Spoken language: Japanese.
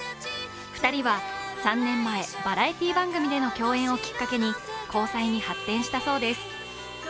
２人は３年前、バラエティー番組での共演をきっかけに交際に発展したそうです。